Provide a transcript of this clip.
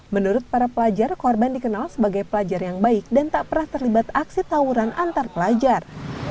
menurut para pelajar korban dikenal sebagai pelajar yang baik dan tak pernah terlibat aksi tawuran antar pelajar